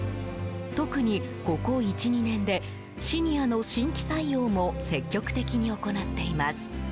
特に、ここ１２年でシニアの新規採用も積極的に行っています。